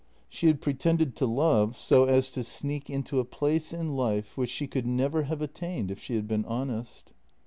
She had pretended to love so as to sneak 284 JENNY into a place in life which she could never have attained if she had been honest.